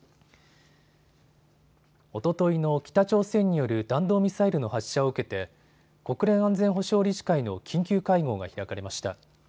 おとといの北朝鮮による弾道ミサイルの発射を受けて国連安全保障理事会の緊急会合が開かれました。